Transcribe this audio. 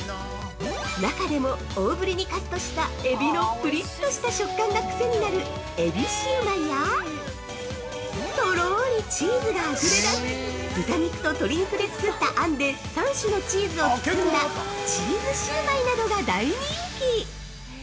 中でも、大ぶりにカットしたエビのプリッとした食感がクセになる「えびシウマイ」やとろり、チーズがあふれ出す豚肉と鶏肉で作ったあんで３種のチーズを包んだ「チーズシウマイ」などが大人気。